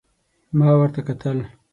ما ورته کتل ،